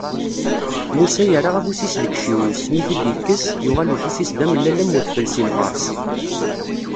Musa yerra afus-is deg iciwi-s, mi t-id-ikkes, yuɣal ufus-is d amellal am udfel si lberṣ.